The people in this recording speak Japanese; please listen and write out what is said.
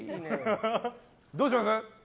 どうします？